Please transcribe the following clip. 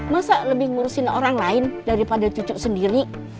masa lebih ngurusin orang lain daripada cucu sendiri